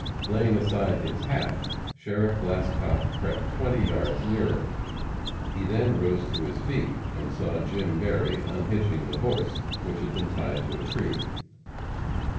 Laying aside his hat, Sheriff Glascock crept twenty yards nearer. He then rose to his feet and saw Jim Berry unhitching the horse, which had been tied to a tree.